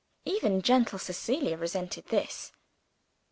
Even gentle Cecilia resented this.